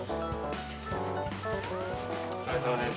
お疲れさまです。